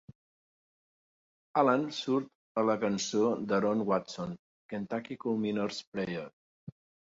Harlan surt a la cançó d'Aaron Watson, "Kentucky Coal Miner's Prayer".